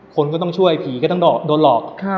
คนก็ต้องช่วยผีก็ต้องโดนหลอก